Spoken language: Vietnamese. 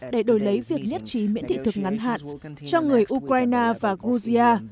để đổi lấy việc nhất trí miễn thị thực ngắn hạn cho người ukraine và georgia